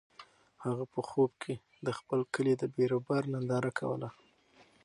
هغه په خوب کې د خپل کلي د بیروبار ننداره کوله.